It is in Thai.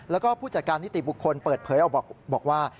แล้วก็ผู้จัดการนิติบุคคลเปิดเผยบอกว่า